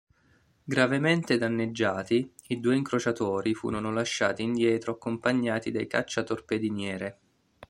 Gravemente danneggiati, i due incrociatori furono lasciati indietro accompagnati dai cacciatorpediniere.